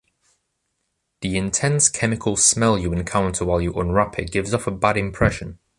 The intense chemical smell you encounter while you unwrap it gives off a bad impression.